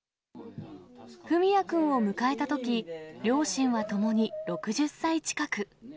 文也君を迎えたとき、両親はともに６０歳近く。